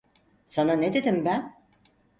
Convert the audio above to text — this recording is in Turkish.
Sana ne dedim ben?